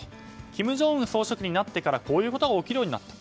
金正恩総書記になってからこういうことが起きるようになった。